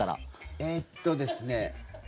えっとですね。